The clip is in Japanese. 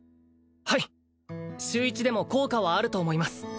はい週一でも効果はあると思います